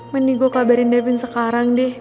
mending gue kabarin davin sekarang deh